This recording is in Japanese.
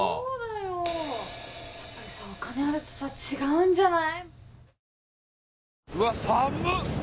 やっぱりさお金あるとさ違うんじゃない？